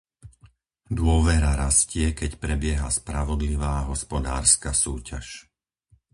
Dôvera rastie, keď prebieha spravodlivá hospodárska súťaž.